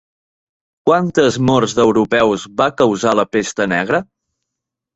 Quantes morts d'europeus va causar la pesta negra?